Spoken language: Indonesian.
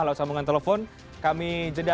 lalu sambungan telepon kami jeda